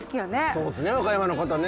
そうですね和歌山の方ね